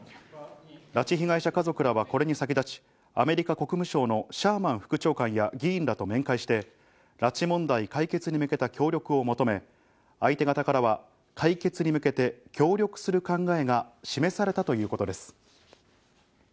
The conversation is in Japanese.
拉致被害者家族らはこれに先立ち、アメリカ国務省のシャーマン副長官や議員らと面会して拉致問題解決に向けた協力を求め、相手方からは解決に向けて協力する考えが示されたということです。